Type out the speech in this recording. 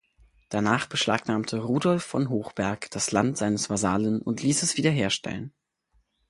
Danach beschlagnahmte Rudolf von Hochberg das Land seines Vasallen und liess es wieder herstellen.